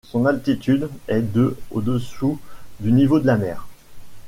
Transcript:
Son altitude est de au-dessous du niveau de la mer.